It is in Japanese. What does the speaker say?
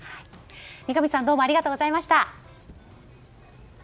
三上さんどうもありがとうございました。